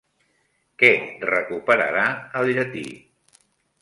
Què recuperarà el llatí?